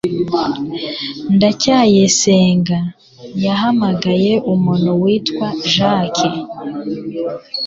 ndacyayisenga yahamagaye umuntu witwa jaki